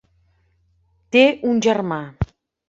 Té un germà.